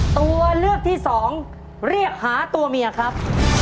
ตัวเลือกที่สองเรียกหาตัวเมียครับ